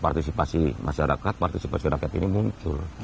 partisipasi masyarakat partisipasi rakyat ini muncul